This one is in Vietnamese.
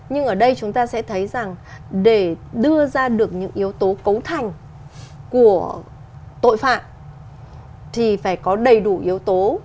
nhưng ở đây chúng ta sẽ thấy rằng để đưa ra được những yếu tố cấu thành của tội phạm thì phải có đầy đủ yếu tố